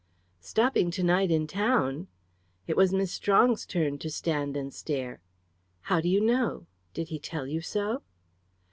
"Stopping to night in town!" It was Miss Strong's turn to stand and stare. "How do you know? Did he tell you so?"